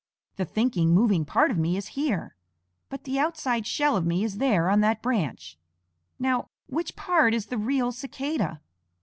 The thinking, moving part of me is here, but the outside shell of me is there on that branch. Now, which part is the real Cicada?"